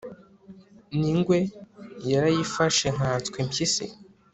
ningwe narayifashe nkanswe impyisi